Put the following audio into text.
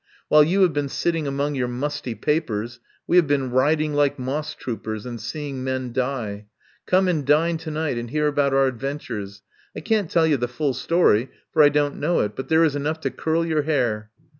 While you have been sitting among your musty papers we have been rid ing like moss troopers and seeing men die. Come and dine to night and hear about our adventures. I can't tell you the full story, for I don't know it, but there is enough to curl your hair."